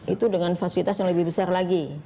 itu dengan fasilitas yang lebih besar lagi